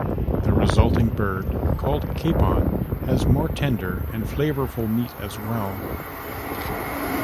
The resulting bird, called a capon, has more tender and flavorful meat, as well.